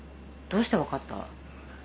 どうして分かった？